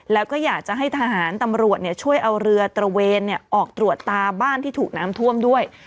แล้วก็อยากจะให้ทหารตำรวจช่วยเอาเรือตระเวนออกตรวจตาบ้านที่ถูกน้ำท่วมด้วย